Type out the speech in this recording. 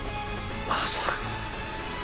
まさか。